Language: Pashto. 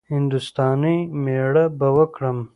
هـنـدوستانی ميړه به وکړم.